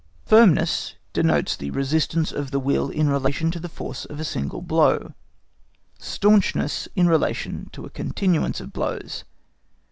Firmness denotes the resistance of the will in relation to the force of a single blow, staunchness in relation to a continuance of blows.